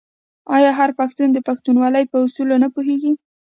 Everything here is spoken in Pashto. آیا هر پښتون د پښتونولۍ په اصولو نه پوهیږي؟